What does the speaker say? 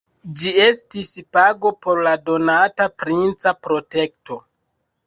Ĝi estis pago por la donata princa protekto.